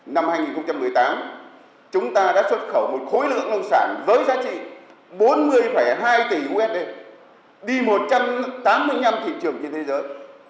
năm hai nghìn một mươi tám chúng ta đã xuất khẩu một khối lượng nông sản với giá trị bốn mươi hai tỷ usd đi một trăm tám mươi năm thị trường trên thế giới